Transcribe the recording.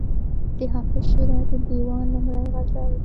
د حافظ شیرازي د دېوان لومړی غزل.